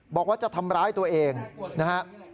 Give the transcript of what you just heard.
บอกว่าจะทำร้ายตัวเองนะฮะ